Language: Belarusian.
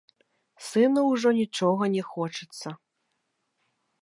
Сыну ўжо нічога не хочацца.